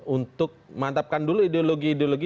untuk mantapkan dulu ideologi ideologi